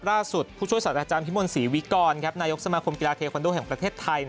ล่าสุดผู้ช่วยสวัสดิ์อาจารย์พิมพ์วนศรีวิกรนายกสมคมกีฬาเทควันโดแห่งประเทศไทย